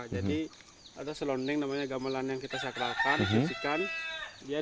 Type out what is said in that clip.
jadi ada selonding namanya gamelan yang kita sakralkan diusikan